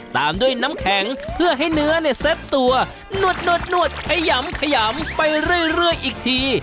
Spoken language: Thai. ตามด้วยน้ำแข็งเพื่อให้เนื้อเนี่ยเซ็ตตัวนวดขยำขยำไปเรื่อยอีกที